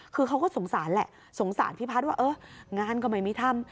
คือเขาก็สงสารแหละสงสารพี่พัฒน์ว่าเอองานก็ไม่มีทำ